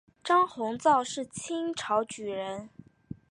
张鸿藻是清朝举人。